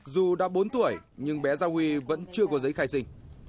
dù đã bốn tuổi nhưng bé gia huy vẫn chưa có giấy khai sinh